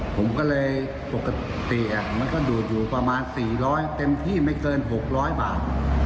ผมก็เลยปกติมันก็ดูดอยู่ประมาณ๔๐๐เต็มที่ไม่เกิน๖๐๐บาท